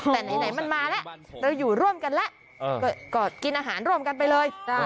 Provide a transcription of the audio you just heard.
แต่ไหนมันมาแล้วเราอยู่ร่วมกันแล้วก็กินอาหารร่วมกันไปเลย